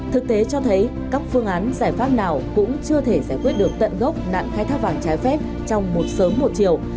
thực tế cho thấy các phương án giải pháp nào cũng chưa thể giải quyết được tận gốc nạn khai thác vàng trái phép trong một sớm một chiều